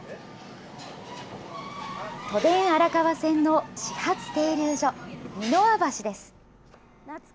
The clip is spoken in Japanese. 都電荒川線の始発停留所、三ノ輪橋です。